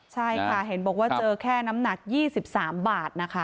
ใช่ค่ะเห็นบอกว่าเจอแค่น้ำหนัก๒๓บาทนะคะ